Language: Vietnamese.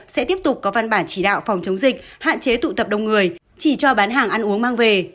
sẽ tiếp tục có văn bản chỉ đạo phòng chống dịch hạn chế tụ tập đông người chỉ cho bán hàng ăn uống mang về